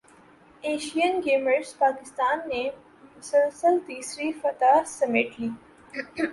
Asian games Pakistan نے مسلسل تیسری فتح سمیٹ لی